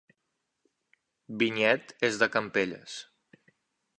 Vinyet és de Campelles